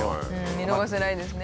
見逃せないですね。